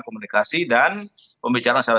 komunikasi dan pembicaraan secara